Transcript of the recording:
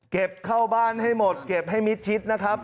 เข้าบ้านให้หมดเก็บให้มิดชิดนะครับ